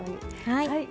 はい。